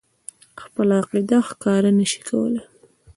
خپله عقیده ښکاره نه شي کولای.